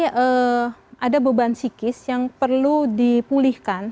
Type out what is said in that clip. jadi anak anak ini ada beban psikis yang perlu dipulihkan